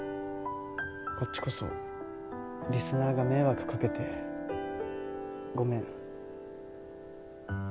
こっちこそリスナーが迷惑かけてごめん。